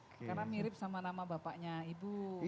karena mirip sama nama bapaknya ibu